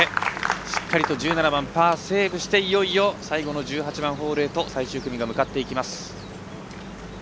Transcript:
しっかりと１７番パーセーブしていよいよ最後の１８番ホールへと最終組が向かっていきます。